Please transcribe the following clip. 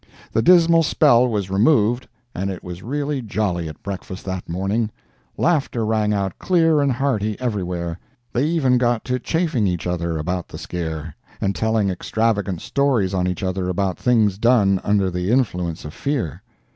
The dismal spell was removed, and it was really jolly at breakfast that morning—laughter rang out clear and hearty everywhere. They even got to chaffing each other about the scare, and telling extravagant stories on each other about things done under the influence of fear.